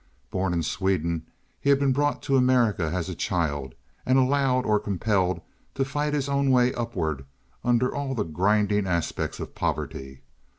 Born in Sweden, he had been brought to America as a child, and allowed or compelled to fight his own way upward under all the grinding aspects of poverty.